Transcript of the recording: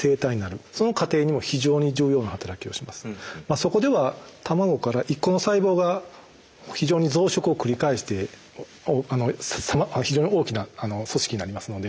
そこでは卵から１個の細胞が非常に増殖を繰り返して非常に大きな組織になりますので。